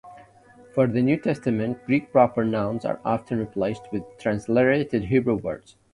For the New Testament, Greek proper nouns are often replaced with transliterated Hebrew words.